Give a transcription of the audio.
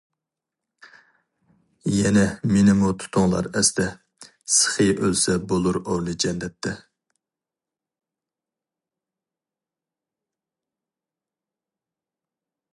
يەنە مېنىمۇ تۇتۇڭلار ئەستە، سېخى ئۆلسە بولۇر ئورنى جەننەتتە.